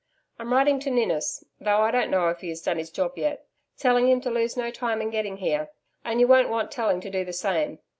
I'm writing to Ninnis though I don't know if he has done his job yet telling him to lose no time in getting here; and you won't want telling to do the same.